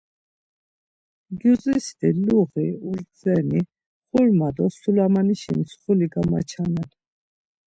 Gyuzisti luği, urdzeni, xurma do sulamanişi mtsxuli gamaçanen.